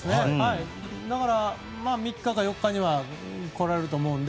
だから、３日か４日かには来られると思うので。